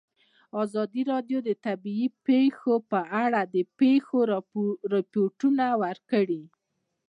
ازادي راډیو د طبیعي پېښې په اړه د پېښو رپوټونه ورکړي.